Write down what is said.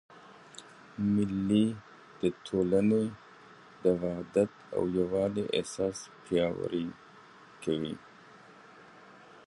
مېلې د ټولني د وحدت او یووالي احساس پیاوړی کوي.